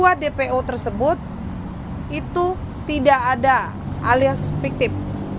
namun ada hal yang tersebut tersebut itu tidak ada alias fiktif